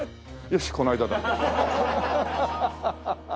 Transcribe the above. よしこの間だ。